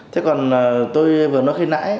thế còn tôi vừa nói khi nãy